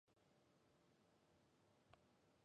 今日の夕飯何にしよう。